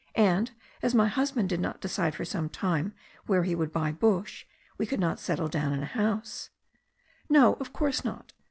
And as my husband did not decide for some time where he would buy bush, we could not settle down in a house/' "No, of course not.